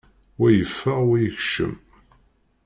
Wa yeffeɣ, wa yekcem.